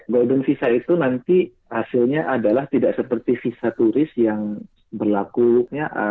godung visa itu nanti hasilnya adalah tidak seperti visa turis yang berlakunya